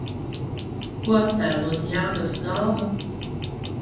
Ko attēlotu Jelgavas galva?